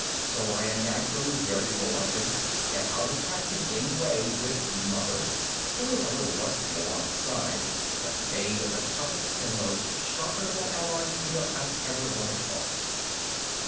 So I am naturally very reluctant to get out of touch in any way with Mother, who is a little rusty along the sides but made of the toughest and most sharpenable alloy steel I've ever run across.